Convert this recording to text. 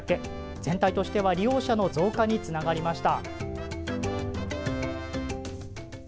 全体としては利用者の増加につながりました。